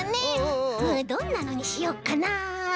どんなのにしよっかな？